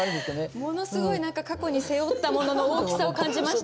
ものすごい何か過去に背負ったものの大きさを感じました。